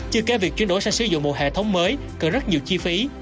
chưa kể việc chuyển đổi sang sử dụng một hệ thống mới cần rất nhiều chi phí